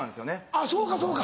あっそうかそうか。